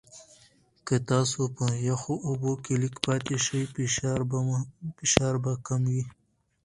که تاسو په یخو اوبو کې لږ پاتې شئ، فشار به کم وي.